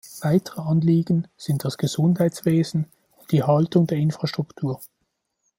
Weitere Anliegen sind das Gesundheitswesen und die Erhaltung der Infrastruktur.